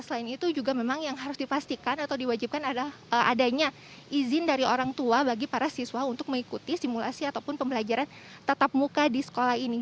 selain itu juga memang yang harus dipastikan atau diwajibkan adalah adanya izin dari orang tua bagi para siswa untuk mengikuti simulasi ataupun pembelajaran tatap muka di sekolah ini